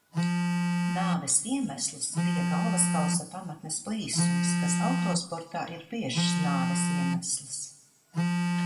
Nāves iemesls bija galvaskausa pamatnes plīsums, kas autosportā ir biežs nāves iemesls.